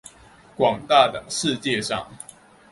广大的世界上